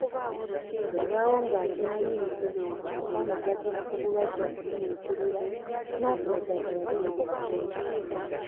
Yalwawo ng'akyanyiize, omukwano gwaddira ku bulwadde kumunyiikirira n'afuna eddagala lingi ne liremwa.